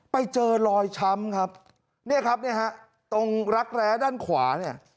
ไปเจอรอยช้ำตรงรักแร้ด้านขวา